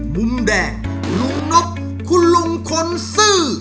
มุมแดงลุงนบคุณลุงคนซื่อ